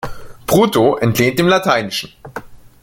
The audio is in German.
Brutto entlehnt dem Lateinischen.